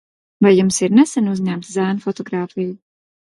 Vai jums ir nesen uzņemta zēna fotogrāfija?